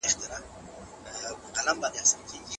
که ساده ژبه وکارول سي نو هر څوک پرې پوهېږي.